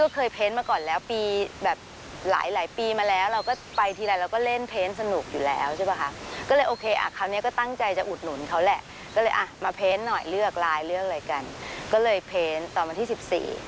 เขาเล่าให้เราฟังนะครับ